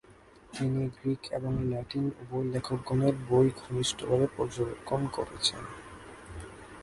তিনি গ্রীক এবং ল্যাটিন উভয় লেখকগণের বই ঘনিষ্ঠভাবে পর্যবেক্ষণ করেছেন।